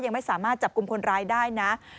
ยังไม่สามารถจับกลุ่มคนร้ายได้นะ